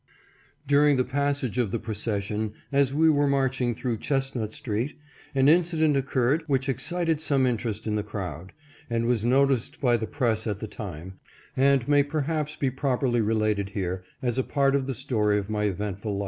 During the passage of the procession, as we were marching through Chestnut street, an incident occurred which excited some interest in the crowd, and was noticed by the press at the time, and may perhaps be properly related here as a part of the story of my eventful life.